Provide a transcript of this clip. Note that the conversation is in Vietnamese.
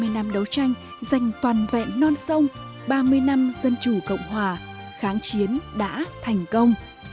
ba mươi năm đấu tranh dành toàn vẹn non sông ba mươi năm dân chủ cộng hòa kháng chiến đã thành công